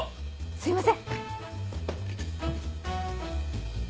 すいません。